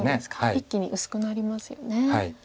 一気に薄くなりますよね。